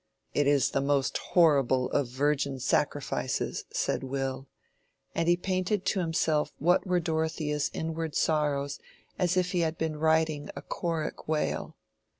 "It is the most horrible of virgin sacrifices," said Will; and he painted to himself what were Dorothea's inward sorrows as if he had been writing a choric wail.